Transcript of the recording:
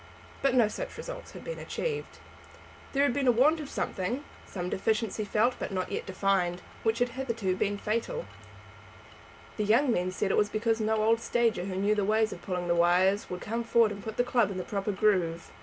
But no such results had been achieved. There had been a want of something, some deficiency felt but not yet defined, which had hitherto been fatal. The young men said it was because no old stager who knew the way of pulling the wires would come forward and put the club in the proper groove.